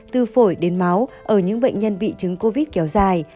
từ phổi đến máu ở những bệnh nhân bị chứng covid kéo dài